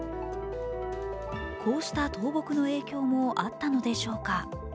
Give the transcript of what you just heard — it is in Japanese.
こうした倒木の影響もあったのでしょうか。